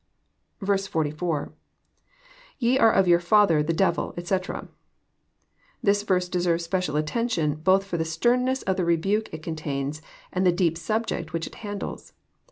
44. — [Te are of your father the devils etc."} This verse deserves special attention, both for the sternness of the rebuke it con tains, and the deep subject which it handles.